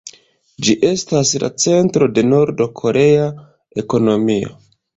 Ĝi estas la centro de Nord-korea ekonomio.